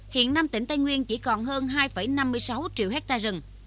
hiện năm tỉnh tây nguyên chỉ còn hơn hai năm mươi sáu triệu hectare rừng